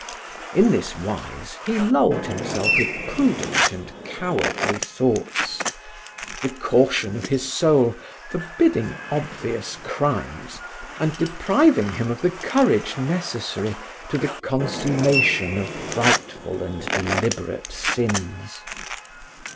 In this wise he lulled himself with prudent and cowardly thoughts, the caution of his soul forbidding obvious crimes and depriving him of the courage necessary to the consummation of frightful and deliberate sins.